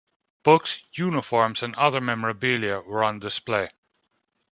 Books, uniforms and other memorabilia were on display.